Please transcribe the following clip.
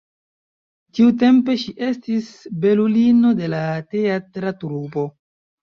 Tiutempe ŝi estis belulino de la teatra trupo.